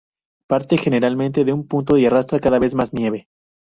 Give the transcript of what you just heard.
Parte generalmente de un punto y arrastra cada vez más nieve.